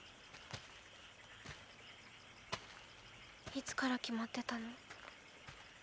いつから決まってたの？